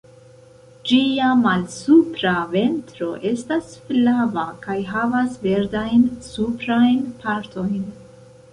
Ĝia malsupra ventro estas flava kaj havas verdajn suprajn partojn.